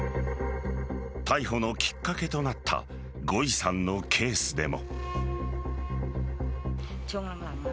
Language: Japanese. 逮捕のきっかけとなったゴイさんのケースでも。